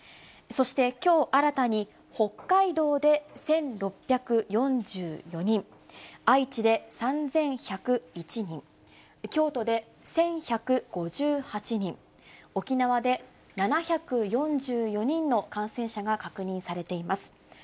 そしてきょう、新たに北海道で１６４４人、愛知で３１０１人、京都で１１５８人、沖縄で７４４人の感染者が確認されています。